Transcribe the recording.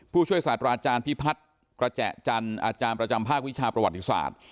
ผู้ช่วยศาสตราอาจารย์พิพัฒน์กระแจจันทร์อาจารย์ประจำภาควิชาประวัติศาสตร์